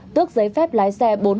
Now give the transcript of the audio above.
tước giấy phép lái xe